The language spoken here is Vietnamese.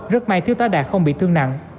rất may thiếu tá đạt không bị thương nặng